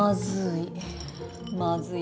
まずい。